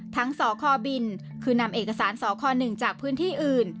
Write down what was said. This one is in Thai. สคบินคือนำเอกสารสค๑จากพื้นที่อื่น